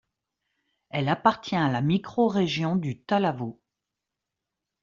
Elle appartient à la microrégion du Talavo.